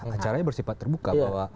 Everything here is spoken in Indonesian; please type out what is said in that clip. acaranya bersifat terbuka bahwa